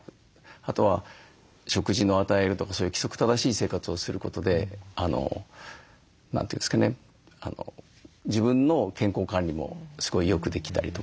あとは食事を与えるとかそういう規則正しい生活をすることで何て言うんですかね自分の健康管理もすごいよくできたりとか。